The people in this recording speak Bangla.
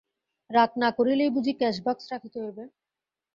রাগ না করিলেই বুঝি ক্যাশবাক্স রাখিতে হইবে?